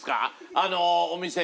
あのお店で。